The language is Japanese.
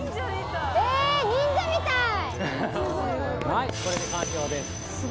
はいこれで完了です。